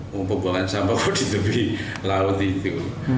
pembuangan sampah di tepi laut itu